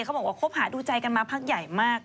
เขาบอกว่าคบหาดูใจกันมาพักใหญ่มาก